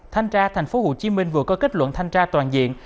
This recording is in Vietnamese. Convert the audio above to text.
thanh tra thành phố hồ chí minh vừa có kết luận thanh tra toàn diện